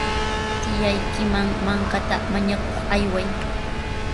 Tiyaykiman mankata mañakuq ayway.